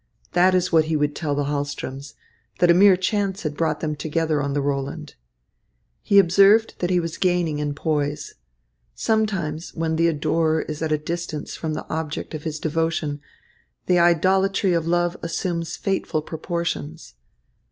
That is what he would tell the Hahlströms that a mere chance had brought them together on the Roland. He observed that he was gaining in poise. Sometimes, when the adorer is at a distance from the object of his devotion, the idolatry of love assumes fateful proportions.